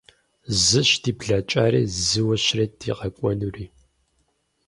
Зыщ ди блэкӀари, зыуэ щрет ди къэкӀуэнури.